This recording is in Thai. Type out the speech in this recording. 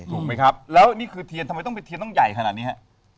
ถูกไหมครับแล้วนี่คือเทียนทำไมต้องไปเทียนต้องใหญ่ขนาดนี้ฮะ